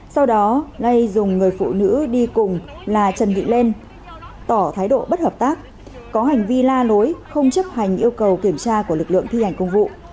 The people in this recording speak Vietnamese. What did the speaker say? sau đó lây dùng người phụ nữ đi cùng là trần thị lên tỏ thái độ bất hợp tác có hành vi la lối không chấp hành yêu cầu kiểm tra của lực lượng thi hành công vụ